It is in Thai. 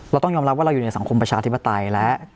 เราต้องยอมรับว่าเราอยู่ในสังคมประชาธิปไตยและ